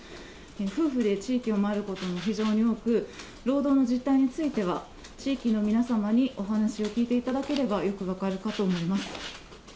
夫婦で地域を回ることも非常に多く、労働の実態については、地域の皆様にお話を聞いていただければよく分かるかと思います。